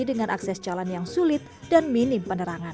dengan akses jalan yang sulit dan minim penerangan